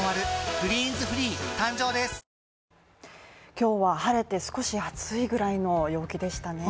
今日は晴れて少し暑いくらいの陽気でしたね